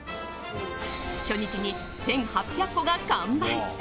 初日に１８００個が完売。